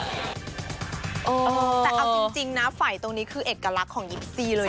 แต่เอาจริงนะไฟตรงนี้คือเอกลักษณ์ของ๒๔เลย